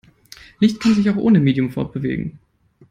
Licht kann sich auch ohne Medium fortbewegen.